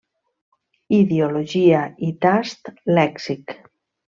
Ideologia i tast lèxic.